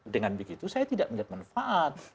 dengan begitu saya tidak melihat manfaat